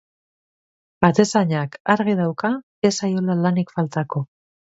Atezainak argi dauka ez zaiola lanik faltako.